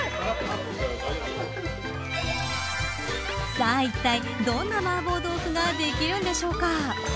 さあいったいどんなマーボー豆腐ができるんでしょうか。